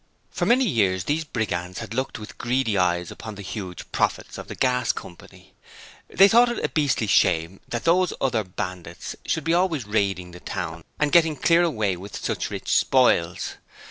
For many years these Brigands had looked with greedy eyes upon the huge profits of the Gas Company. They thought it was a beastly shame that those other bandits should be always raiding the town and getting clear away with such rich spoils.